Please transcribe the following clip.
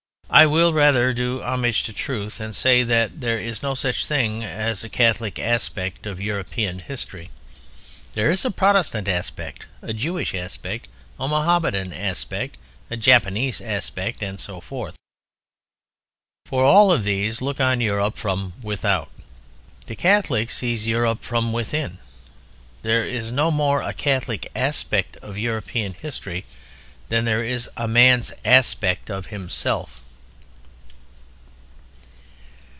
I will rather do homage to truth and say that there is no such thing as a Catholic "aspect" of European history. There is a Protestant aspect, a Jewish aspect, a Mohammedan aspect, a Japanese aspect, and so forth. For all of these look on Europe from without. The Catholic sees Europe from within. There is no more a Catholic "aspect" of European history than there is a man's "aspect" of himself.